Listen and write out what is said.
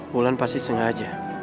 wulan pasti sengaja